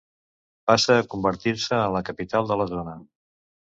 Passa a convertir-se en la capital de la zona.